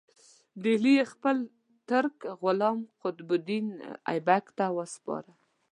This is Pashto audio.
ډهلی یې خپل ترک غلام قطب الدین ایبک ته وسپاره.